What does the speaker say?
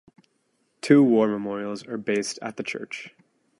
Two war memorials are based at the church.